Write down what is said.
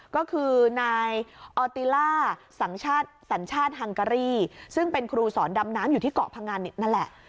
ก็คือนายออติล่าสัญชาติสัญชาติฮังการีซึ่งเป็นครูสอนดำน้ำอยู่ที่เกาะพังงานนั่นแหละ